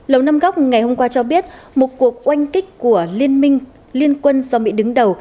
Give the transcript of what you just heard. lầu năm góc ngày hôm qua cho biết một cuộc oanh kích của liên minh liên quân do mỹ đứng đầu